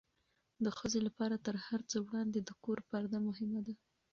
د ښځې لپاره تر هر څه وړاندې د کور پرده مهمه ده.